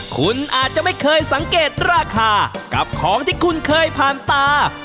คุณอาจจะไม่เคยสังเกตราคากับของที่คุณเคยผ่านตา